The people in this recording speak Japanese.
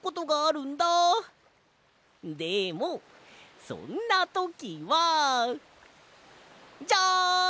でもそんなときはジャン！